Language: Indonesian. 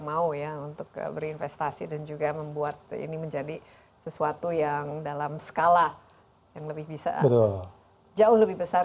mau ya untuk berinvestasi dan juga membuat ini menjadi sesuatu yang dalam skala yang lebih bisa jauh lebih besar